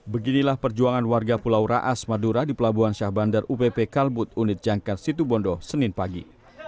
beginilah perjuangan warga pulau raas madura di pelabuhan syah bandar upp kalbut unit jangkar situbondo senin pagi